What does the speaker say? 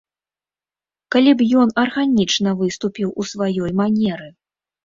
Калі б ён арганічна выступіў у сваёй манеры.